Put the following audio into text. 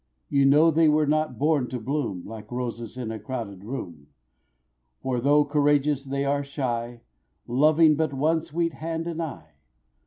You know they were not born to bloom Like roses in a crowded room; For though courageous they are shy, Loving but one sweet hand and eye.